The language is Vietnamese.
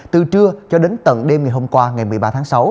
từ trưa cho đến tận đêm ngày hôm qua ngày một mươi ba tháng sáu